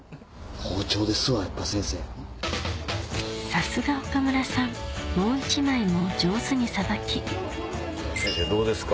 さすが岡村さんもう一枚も上手に捌き先生どうですか？